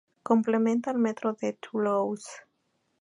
Complementa al metro de Toulouse.